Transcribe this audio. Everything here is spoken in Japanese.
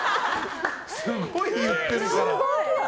すごい言ってるから。